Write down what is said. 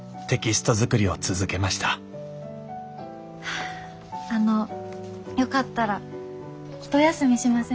あっあのよかったら一休みしませんか？